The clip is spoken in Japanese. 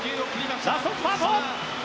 ラストスパート！